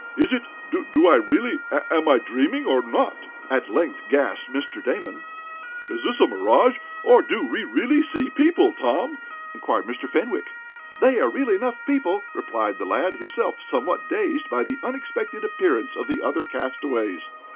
"Is it do I really am I dreaming or not?" at length gasped Mr. Damon. "Is this a mirage, or do we really see people, Tom?" inquired Mr. Fenwick. "They are real enough people," replied the lad, himself somewhat dazed by the unexpected appearance of the other castaways.